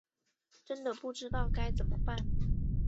真的不知道该怎么办